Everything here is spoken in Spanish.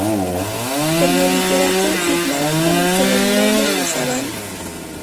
Como literato firmaba con el sobrenombre de Savan.